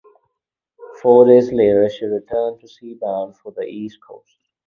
Four days later, she returned to sea bound for the East Coast.